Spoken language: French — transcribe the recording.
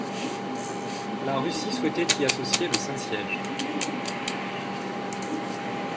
La Russie souhaitait y associer le Saint-Siège.